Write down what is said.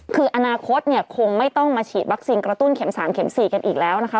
คืออนาคตเนี่ยคงไม่ต้องมาฉีดวัคซีนกระตุ้นเข็ม๓เม็ม๔กันอีกแล้วนะคะ